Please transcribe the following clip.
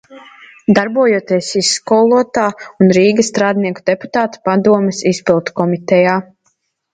Darbojies Iskolatā un Rīgas Strādnieku deputātu padomes izpildkomitejā.